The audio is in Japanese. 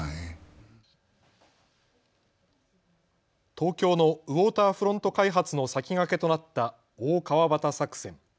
東京のウォーターフロント開発の先駆けとなった大川端作戦。